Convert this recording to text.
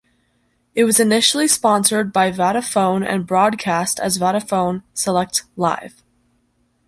It was initially sponsored by Vodafone and broadcast as Vodafone Select Live.